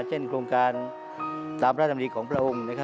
เช่นโครงการตามพระราชดำริของพระองค์